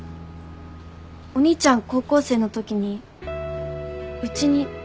お兄ちゃん高校生のときにうちにたぶん来てて。